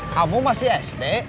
kamu masih sd